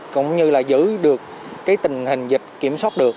cũng như là giữ được cái tình hình dịch kiểm soát được